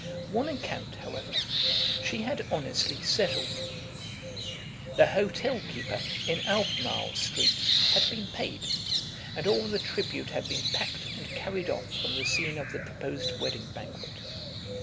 One account, however, she had honestly settled. The hotel keeper in Albemarle Street had been paid, and all the tribute had been packed and carried off from the scene of the proposed wedding banquet.